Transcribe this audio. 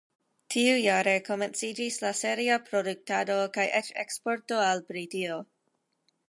Tiujare komenciĝis la seria produktado kaj eĉ eksporto al Britio.